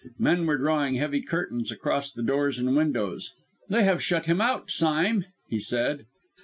Men were drawing heavy curtains across the doors and windows. "They have shut him out, Sime!" he said.